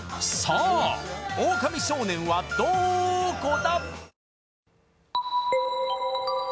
さあオオカミ少年はどーこだ？